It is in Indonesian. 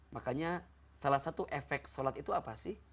makanya salah satu efek sholat itu apa sih